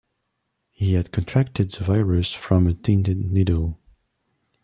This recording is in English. He had contracted the virus from a tainted needle.